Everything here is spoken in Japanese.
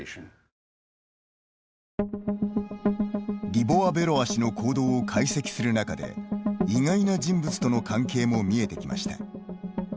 リボワベロワ氏の行動を解析する中で、意外な人物との関係も見えてきました。